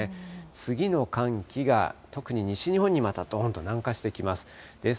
次の寒気が特に西日本にまたどんと南下してきます。